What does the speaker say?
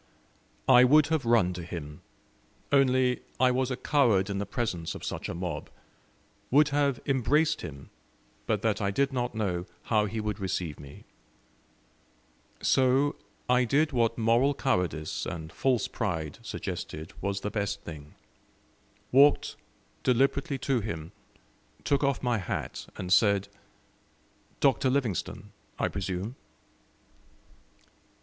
I would have run to him, only I was a coward in the presence of such a mob would have embraced him, but that I did not know how he would receive me; so I did what moral cowardice and false pride suggested was the best thing walked deliberately to him, took off my hat, and said: "DR. LIVINGSTONE, I PRESUME?"